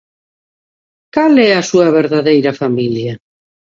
Cal é a súa verdadeira familia?